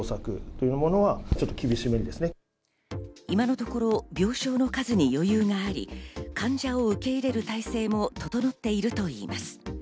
今のところ病床の数に余裕があり、患者を受け入れる体制も整っているといいます。